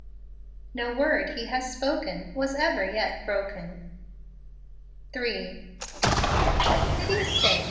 " No word He hath spoken., Was ever yet broken 3. " Pity's sake!